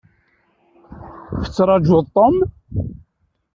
Tettrajuḍ Tom?